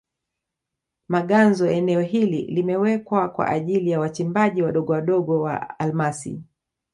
Maganzo eneo hili limewekwa kwa ajili ya wachimbaji wadogowadogo wa almasi